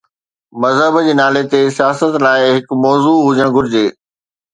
مذهب جي نالي تي سياست لاءِ هڪ موضوع هجڻ گهرجي.